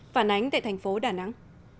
phản ánh tại thành phố đà nẵng